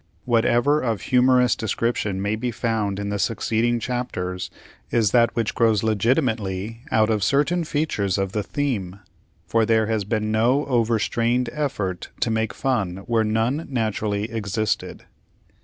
Whatever of humorous description may be found in the succeeding chapters, is that which grows legitimately out of certain features of the theme; for there has been no overstrained effort to make fun where none naturally existed.